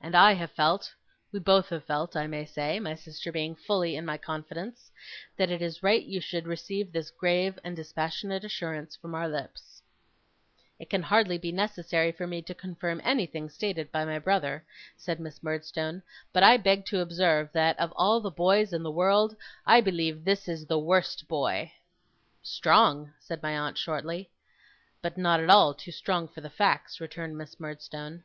And I have felt we both have felt, I may say; my sister being fully in my confidence that it is right you should receive this grave and dispassionate assurance from our lips.' 'It can hardly be necessary for me to confirm anything stated by my brother,' said Miss Murdstone; 'but I beg to observe, that, of all the boys in the world, I believe this is the worst boy.' 'Strong!' said my aunt, shortly. 'But not at all too strong for the facts,' returned Miss Murdstone.